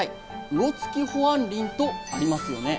「魚つき保安林」とありますよね。